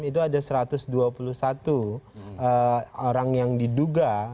itu ada satu ratus dua puluh satu orang yang diduga